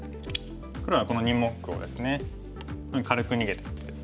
黒はこの２目をですね軽く逃げてですね。